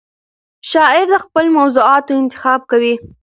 شاعر د خپلو موضوعاتو انتخاب کوي.